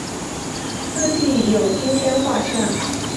四壁有诸天画像。